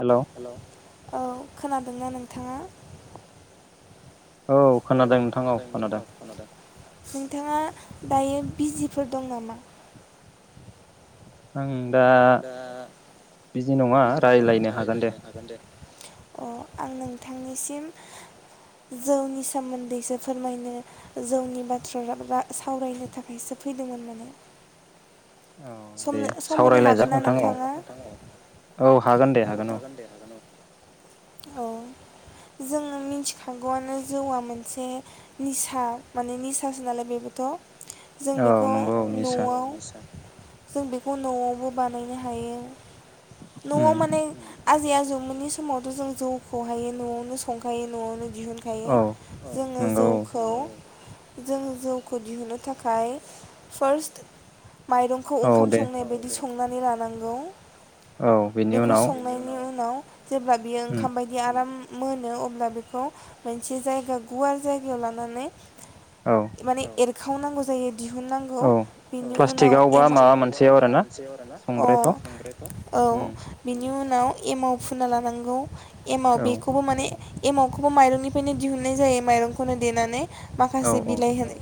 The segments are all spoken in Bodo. हेलौ औ खोनादोंना नोंथाङा? औ खोनादों नोंथां औ खोनादों। नोंथाङा दायो बिजिफोर दं नामा? आं दा बिजि नङा रायलायनो हागोन दे अ' आं नों बिथांनिसिम जौनि सोमोन्दैसो फोरमायनो। जौनि बाथ्रा रा सावरायनो थाखायसो फैदोंमोन नामा? औ दे सम-सम होनो सावरायलायजा हागोन ना नोंथां औ नोंथाङा? औ हागोन दे औ हागोन दे हागोन औ-औ। जोङो मिथिखागौआनो जौआ मोनसे निसा माने निसासो नालाय बेबोथ' जों औ बेखौ नंगौ औ निसा न'आव जों बेखौ न'आवबो बानायनो हायो। न'आव उम माने आजै आजौ मोनै समावथ' जों जौखौहायो न'आवनो संखायो न'आवनो दिहुनखायो औ ओ जोङो नंगौ जौखौ जोंङो जौखौ दिहुनो थाखाय फार्स्ट माइरं खौ औ औ ओंखाम दे संनाय बायदि सं हुंनानै लानांगौ। औ बेनि बेखौ उनाव संनायनि उनाव जेब्ला बियो उम ओंखाम बायदि आराम मोनो अब्ला बेखौ मोनसे जायगा गुवार जायगा याव लानानै औ माने एर खाव नांगौ जायो। दिहुन नांगौ औ बिनि उनाव प्लास्टिकआव बा एमाव प्लास्टिक माबा आव बा मोनसेयाव माबा आरोना मोनसे आव आरो ना [unintelligible] संग्रायफ्राव अ औ उम बेनि बिनि उनाव एमाव फुना लानांगौ। एमाव औ बेखौबो माने एमाव खौबो माइरं निफ्रायनो दिहुननाय जायो माइरं खौनो देनानै। औ माखासे औ बिलाइ होनो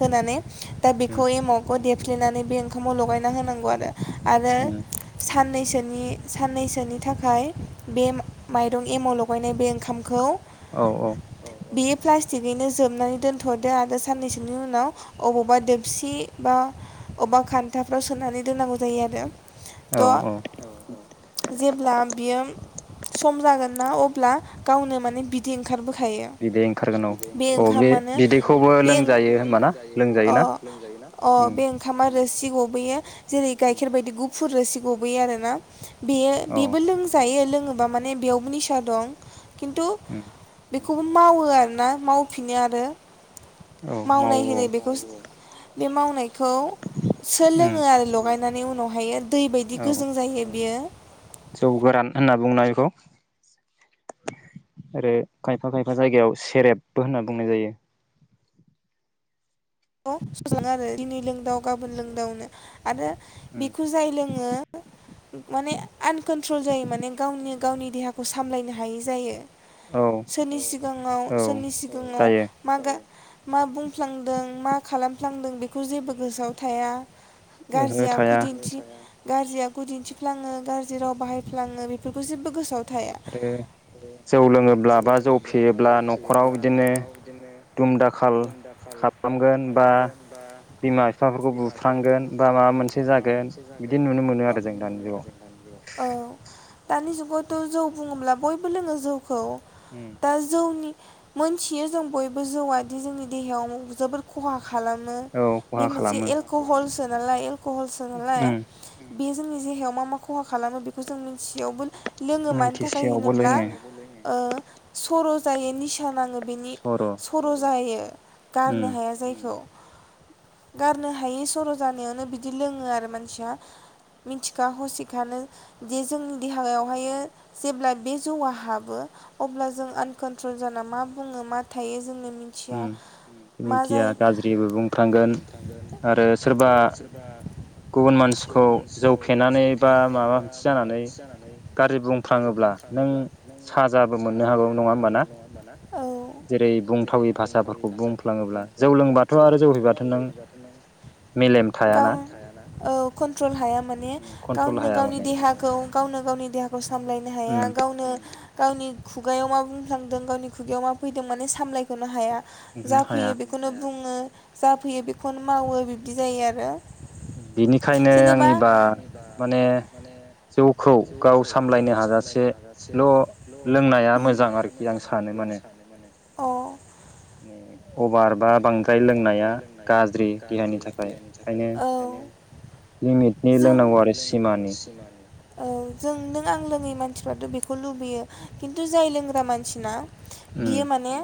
होनानै दा उम बेखौ एमावखौ देर लिफ्लेनानै बे ओंखामाव‌ लगायना होनां [unintelligible] आरो उम साननैसो नि साननै सोनि थाखाय बे माइरं एमाव लगाय नाय बे ओंखामखौ औ औ बेयो प्लास्टि गैनो जोब नानै दोनथ'दो आरो साननै सोनि उनाव अबावबा दोबसि बा अबेबा खान्थाफ्राव सोनानै दोननांगौ जायो आरो। थ औ औ जेब्ला बियो सम जागोन ना अब्ला गावनो माने बिदै ओंखार बोखा यो बिदै ओंखारगोन औ बे औ ओंखामानो‌ बिदैखौबो बे लोंजायो होमबाना [unintelligible] अ लोंजायोना अ उम बे ओंखामानो रोसि गबोयो। जेरै उम गाइखेर बायदि गुफुर फुर रोसि गबोयो आरोना। बेयो औ बेबो लोंजायो लों बुङोबा माने बेयावबो निसा दं। किनतु उम बेखौबो मावो आरोना माव फिनो आरो। औ मावो मावनाय औ होनो बेखौ। बे माव नायखौ उम सोलोङो आरो लगायना नानै उनाव हायो दै बायदि औ गोजों जायो बियो। जौ गोरान होनना बुङोना बेखौ आरो खायफा खायफा जायगायाव सेरेबबो होनना बुंनाय जायो। सङो आरो दिनै लोंदाव गाबोन लोंदावनो आरो उम बेखौ जाय लोङो माने आनकन्ट्रल जायो माने गावनो गावनि देहाखौ सामलायनो हायै जायो। औ सोरनि सिगाङाव औ सोरनि सिगाङाव जायो मा मा बुं मा खालामफ्लांदों बेखौ जेबो गोसोआव थाया। ओहो गाज्रि थाया आखुदिन्थि गाज्रि आखु दिन्थिफ्लाङो गाज्रि राव बाहायफ्लाङो बेफोरखौ जेबो गोसोआव थाया आरो जौ लोङोब्ला बा जौ फेयोब्ला नख'राव बिदिनो दुम दाखाल खालामगोन बा मगोन बा बिमा बिफाफोरखौ बिमा बिफाफोरखौ बुफ्रांगोन बा माबा बुख्रांगोन मोनसे बा माबा जागोन मोनसे बिदि जागोन नुनो मोनो बेखौ आरो जों नुनो दानि मोनो आरो जुगाव जों दानि जुगाव। दानि जुगावथ' जौ बुङोब्ला बयबो लोङो जौ खौ उम दा जौनि मोनथियो जों बयबो जौआदि जोंनि देहायाव जोबोर खहा खालामो औ खहा बे मोनसे खालामो एलक'हल्स लायो। खहलसो नालाय। उम बे जोंनि देहायाव मा मा खहा खालामो बेखौ जों मिथिसेयावबो लोङो मानि थाखाय मिन्थिसेयावबो होनोब्ला लोङो ओ सर' जायैनिसि नाङो बिनि सर' सर' जायो। उम गारनो हाया गारनो हायै सर' जानायावनो बिदि लोङो आरो मानसिया मिथिखा हसिखानो जे जोंनि देहायावहायो जेब्ला बे जौआ हाबो अब्ला जों आनकनट्रल जाना मा बुङो मा थायो जोंनि उम मिथिया मा मिथिया जायो गाज्रिबो बुंफ्रांगोन आरो सोरबा गुबुन मानसिखौ जौ फेनानै बा माबा मोनसे जानानै गाज्रि बुंफ्लाङोब्ला नों साजाबो मोननो हागौ नङा होमबा ना [unintelligible] जेरै बुंथावै भाषाफोरखौ बुंफ्लाङोब्ला जौ लोंबाथ' आरो जौ फैबाथ' नों मेलेम थायाना गाव औ कन्ट्रल हाया माने कन्ट्रल गावनो हाया गावनि माने देहाखौ गावनो गावनि देहा खौ सामलायनो उम हाया गावनो गावनि खुगायाव मा बुंफ्लांदों गावनि खुगायाव मा फैदों माने सामलायख'नो हाया उह जा फैयो हाया। बेखौनो बुङो जाफैयो बेखौनो मावो बिब्दि जायो आरो। बिनिखायनो आंनिबा माने जौखौ गाव सामलायनो हाजासेल' लोंनाया मोजां आरोखि आं सानो माने अ अभार बा अभार बांद्राय बा बांद्राय लोंनाया गाज्रि देहानि गाज्रि थाखाय देहनि थाखाय ओंखायनो औ लिमिटनि ज आरो लोंनांगौ आरो सिमानि सिमानि जों नों आं लोङै मानसिफ्राथ' बेखौ लुबैयो खिन्थु जाय लोंग्रा मानसिना उम बियो माने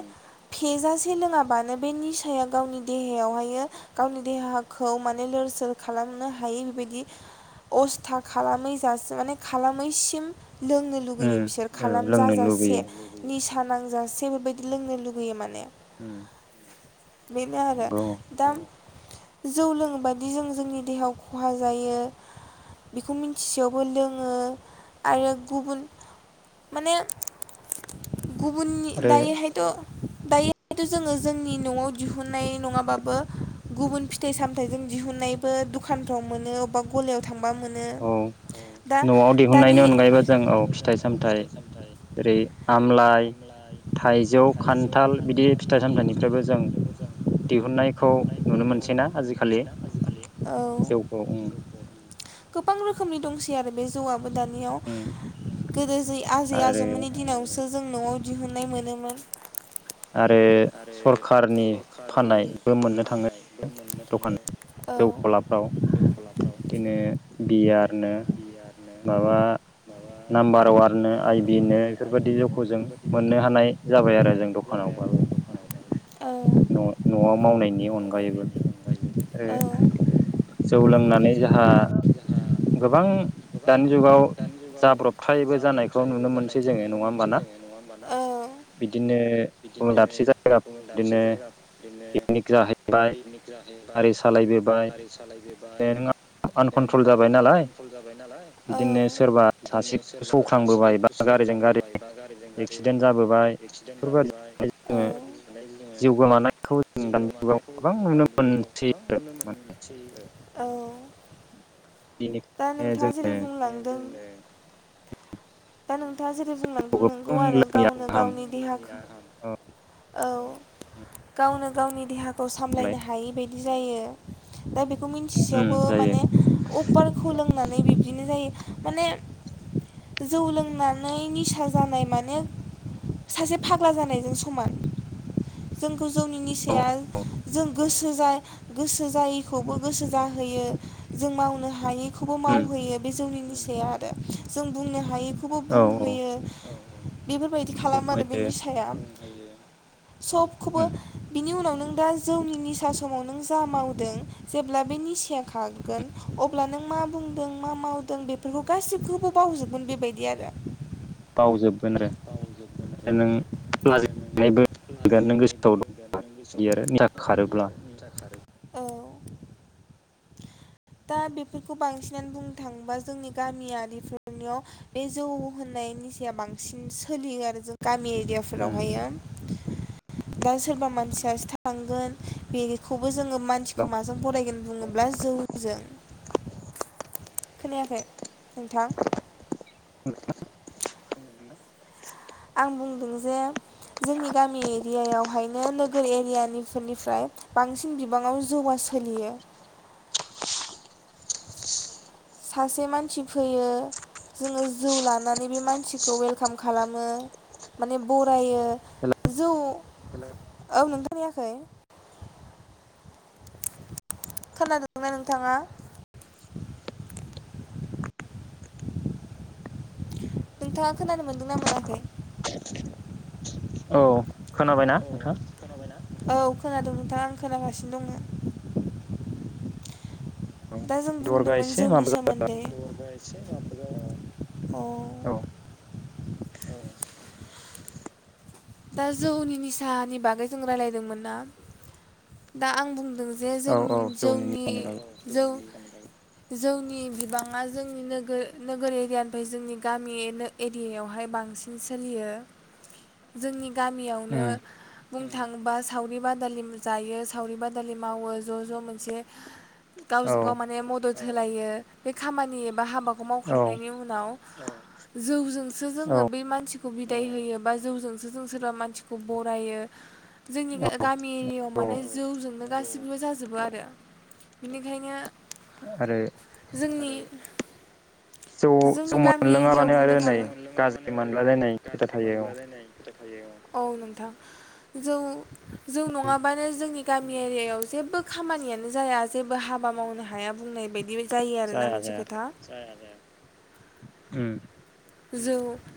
फेजासे लोङाबानो बे निसाया गावनि देहायावहाय गावनि देहाखौ माने लोरसोर खालामनो हायै बेबायदि अस्था खालामै जासि माने खालामैसिम लोंनो लुगैयो उम बिसोर औ लोंनो खालामजाजासे लुबैयो निसा नांजासे बेबायदि लोंनो लुगैयो माने उम बेनो आरो नंगौ दा जौ लोङ बायि जों जोंनि देहायाव खहा जायो बेखौ मिथिसेयावबो लोङो आरो गुबुन माने। गुबुननि आरो दायोैहायथ'। दायोथ' जोङो। जोंनि न'आव दिहुनाय नङाबाबो गुबुन फिथाइ सामथायाइजों दिहुननायबो दुखानफ्राव मोनो अबा गलायाव। थांबा मोनो औ दा न'आव दिहुननायनि दानि अनगायैबो जों औ फिथाइ सामथाइ जओेरै आमलाइ थाइजौ खान्थाल बिदि फिथाइ सामथायाइनि। फ्रायबो जों दिहुननायखौ नुनो मोनसै ना आजिखालि औ जउखौ। गोबां रोखोमनि दंसै आरो बे जौआ। दानियाव उम गोदो ज आजै आरो आजौमोननि दिनावसो। जों न'आव दिहुनाय मोनोमोन। आरो। सरखारनि फाननायबो मोननो थाङो दखान औ जौ गलाफ्राव बिदिनो बि आरनो माबा नाम्बाराव आरनो आइबिनो बेफोरबायदि जौखौ जों मोननो हानाय जाबाय आरो जों दखान। औ। औ न'आव मावनायनि अनगायैबो औ आरो जौ लोंनानै जोंहा गोबां दानि जुगाव जाब्रबथायबो जानायखौ नुनो मोनसै जोङो नङा होमबाना बिदिनो। गुबुन बिदिनो। दाबसे जायगा बुङो दाबसे बिदिनो जायगा बिदिनो पिकनिक जाहैबाय पिकनिक गारि जाहैबाय सालायबोबाय गारि नों सालायबोबाय आनकन्ट्रल नोंहा जाबाय फान नालाय कनट्रल जाबाय नालाय औ बिदिनो सोरबा सासे बिदिनो सोरबा सासे सौख्रांबोबाय बा गारिजों गारि सौख्रांबोबाय बा गारिजों गारि एक्सिडेन्ट जाबोबाय। जोंबो। जोङो जिउ जुगाव गोमानायखौ गोबां नुनो दानि जुगाव मोनसै गोबां आरो नुनो माने मोन औ दा बेनिखायनो नोंथाङा जोङो जेरै बुंलांदों। दा नोंथाङा जेरै जौखौ बुंलांदों नोंगौ गोबां आरो लोङैया गावनो गाहाम गावनि देहाखौ। औ गावनो गावनि देहाखौ। लाय सामलायनो हायै बायदि। बिदि जायो। दा बेखौ उम मिन्थिसेयावबो जायो माने अपारखौ लोंनानै बिब्दिनो जायो। माने जौ लोंनानै निसा जानाय माने सासे फाग्ला जानायजों सम जोंखौ जोंनि औ निसाया जों गोसो जा गोसो जायैखौबो गोसो जाहोयो जों मावनो हायै खौबो उम मावहोयो बे जौनि निसाया आरो। जों बुंनो हायि खौबो औ औ बुंहोयो। बेफोरबायदि खालामो आरो बे खमायो निसाया। सबखौबो उम बिनि उनाव नों दा जौनि निसा समाव नों जा मावदों जेब्ला बे निसाया खागोन अब्ला नों मा बुंदों मा मावदों बेफोरखौ गासिबखौबो बावजोबगोन बेबायदि आरो। बावजोबगोन आरो नों लाजिना [unintelligible] नों गोसोआव [unintelligible] औ। दंबायदि आरो निसा खारोब्ला दा बेफोरखौ बांसिनानो बुंनो थाङोबा जोंनि गामियारिफोरनियाव बे जौ होननाय निसाया बांसिन सोलियो आरो जों उम एरियाफोरावहाय दा सोरबा मान सि सासे थांगोन बेखौबो जोङो हेलौ मानसिखौ माजों बरायगोन बुङोब्ला जौजों खोनायाखै नोंथां? आं बुंदों जे, जोंनि गामि एरियायावहायनो नोगोर एरियानिफोरनिफ्राय बांसिन बिबाङाव जौवा सोलियो। सासे मानसि फैयो, जोङो जौ लानानै बे मानसिखौ वेलकाम खालामो माने बरायो। जौ औ नोंथां खोनायाखै? खोनादोंना नोंथाङा? नोंथाङा खोनानो मोनदोंना मोनाखै? औ। खोनाबायना नोंथाङा? औ खोनादों नोंथाङा आं खोनागासिनो दङ। औ दा जों नेटवर्कआ बुंदोंमोन एसे जौनि माबा सोमोन्दै। जाबाय अ। जा औ [unintelligible] दा जौनि निसानि बागै जों रायलायदोंमोन ना, दा आं बुंदों जों जे औ औ जौनि जों-जोंनि निसानि बागै जों जौनि बिबाङा जोंनि नोगोर नोगोर एरियानिफ्राय जोंनि गामि एरियायावहाय बांसिन सोलियो। जोंनि गामियावनो उम बुंनो थाङोबा सावरि बादालि जायो, सावरि बादालि मावो ज' ज' मोनसे औ गावजों गाव माने मदद होलायो बे खामानि एबा हाबा खौ औ मावखांनायनि उनाव जौजोंसो जोङो बै मानसिखौ बिदाय होयो बा जौजोंसो जों सोरबा मानसिखौ बरायो, जोंनि गामि एरियायाव औ औ माने जौजोंनो गासैबो जाजोबो आरो बेनिखायनो, आरो जोंनि जौ जौ जोंनि गामि एरियायाव मोनलोङाबानो बुंनो आरो नै थाङो, जौ जौ गाज्रि मोनलोङाब्लानो मोनलायलायनाय खोथा गाज्रि थायो औ मोनलायलायनाय औ नोथां जौ जौ नङाबानो जोंनि गामि एरियायाव जेबो खामानियानो जाया जेबो हाबा मावनो हाया बुंनाय बायदि जायो आरोना जाया मोनसे जाया खोथा, जाया जाया उम जौ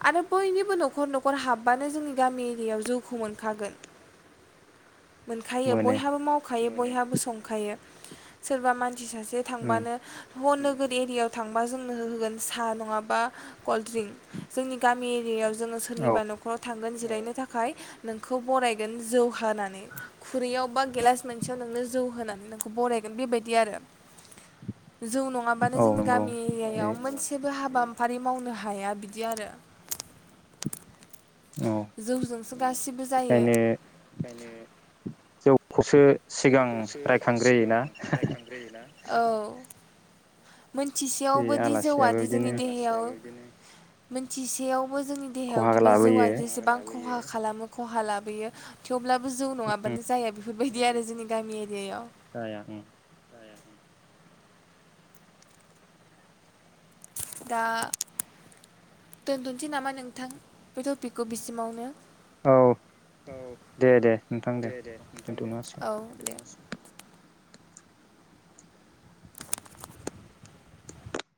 आरो बयनिबो न'खर न'खर हाबबानो जोंनि गामि एरियायाव जौखौ मोनखागोन। मोनखायो मोनो बयहाबो मावखायो बयहाबो संखायो सोरबा मान सि सासे उम थांबानो [unintelligible] एरियायाव थांबा जोंनो हो-होगोन सा नङाबा कल्ड ड्रिंक जोंनि गामि [unintelligible] जोङो औ सोरनिबा नखराव थांगोन जो बेरायनो थाखाय नोंखौ बरायगोन जौ हानानै खुरैयाव बा गेलास मोनसेयाव नोंनो जौ होनानै नोंखौ बरायगोन बेबायदि आरो जौ नङाबानो औ जोंनि नंगौ गामि बे एरियायाव मोनसेबो हाबा फारि मावनो हा हाया बिदि आरो औ जौ जोंसो गासिबो जायो ओंखायनो ओंखायनो जौखौसो सिगां जौखौसो सिगां रायखांग्रोयोना रायखांग्रोयोना औ बे मोनथिसेयावबोदि आलासियाबो जौआादि जोंनि बिदिनो देहायाव मोनथिसेयाव बो जोंनि देहायाव खहा दि बे जौआ लाबोयो खहा खालामो खहा लाबोयो थेवब्लाबो जौ उम नङाबानो जाया बेफो बायदि आरो जोंनि गामि एरियायाव जाया ओम दा दोनथसै नामा नोंथां बे टपिकखौ बिसिमावनो औ औ दे दे नोंथां दे दे नोंथां दे दोनथ'नो हासिगोन औ दे